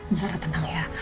bu sarah tenang ya